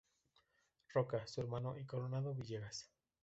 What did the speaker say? Roca, su hermano, y Conrado Villegas.